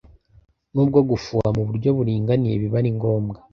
Nubwo gufuha mu buryo buringaniye biba ari ngombwa